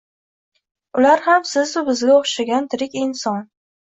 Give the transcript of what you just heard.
Ular ham siz-u bizga o‘xshagan tirik inson.